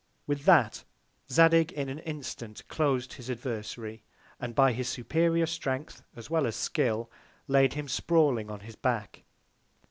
With that Zadig in an Instant clos'd his Adversary, and by his superior Strength, as well as Skill, laid him sprawling on his Back.